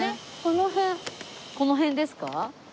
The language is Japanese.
この辺ですか？